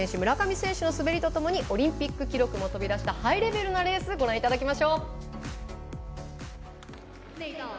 村上選手の滑りとともにオリンピック記録も飛び出したハイレベルなレースご覧いただきましょう。